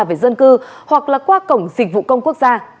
về dân cư hoặc là qua cổng dịch vụ công quốc gia